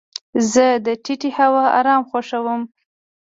زه د ټیټې هوا ارام خوښوم.